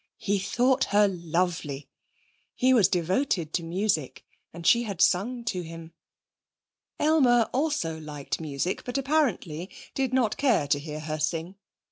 He thought her lovely. He was devoted to music and she had sung to him. Aylmer also liked music, but apparently did not care to hear her sing.